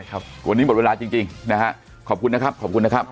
ครับวันนี้หมดเวลาจริงจริงนะฮะขอบคุณนะครับขอบคุณนะครับ